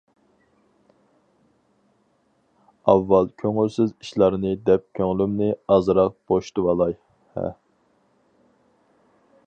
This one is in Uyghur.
ئاۋۋال كۆڭۈلسىز ئىشلارنى دەپ كۆڭلۈمنى ئازراق بوشىتىۋالاي ھە!